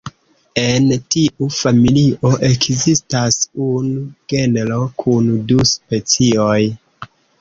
En tiu familio ekzistas unu genro kun du specioj.